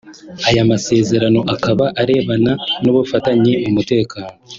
Aya masezerano akaba arebana n’ubufatanye mu mutekano